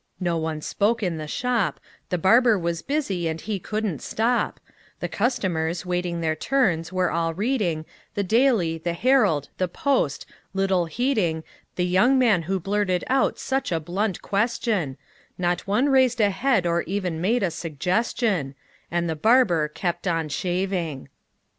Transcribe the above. No one spoke in the shop: The barber was busy, and he couldn't stop; The customers, waiting their turns, were all reading The "Daily," the "Herald," the "Post," little heeding The young man who blurted out such a blunt question; Not one raised a head, or even made a suggestion; And the barber kept on shaving.